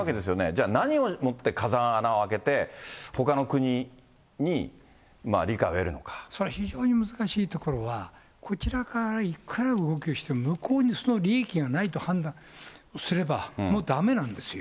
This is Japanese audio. じゃあ、何をもって風穴を開けて、それは非常に難しいところは、こちらからいくら要求しても、向こうにその利益がないと判断すれば、もうだめなんですよ。